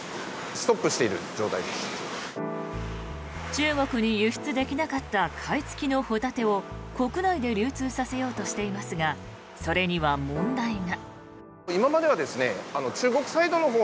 中国に輸出できなかった貝付きのホタテを国内で流通させようとしていますがそれには問題が。